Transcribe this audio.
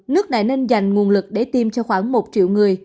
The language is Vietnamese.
nước này nên dành nguồn lực để tiêm cho khoảng một triệu người